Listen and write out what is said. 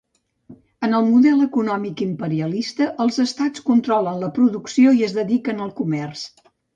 En el model econòmic imperialista, els estats controlen la producció i es dediquen al comerç.